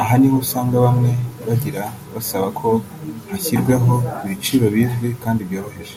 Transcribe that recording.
Aha niho usanga bamwe bagira basaba ko hashyirweho ibiciro bizwi kandi byoroheje